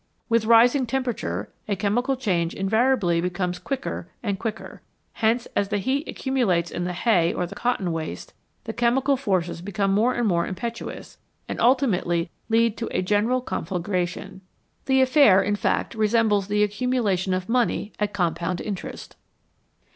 With rising tempera 138 HOW FIRE IS MADE ture a chemical change invariably becomes quicker and quicker, hence as the heat accumulates in the hay or the cotton waste, the chemical forces become more and more impetuous and ultimately lead to a general con flagration. The affair, in fact, resembles the accumula tion of money at compound interest.